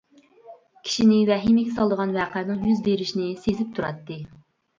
كىشىنى ۋەھىمىگە سالىدىغان ۋەقەنىڭ يۈز بېرىشىنى سېزىپ تۇراتتى.